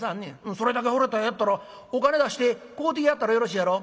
それだけ惚れた絵やったらお金出して買うてやったらよろしいやろ」。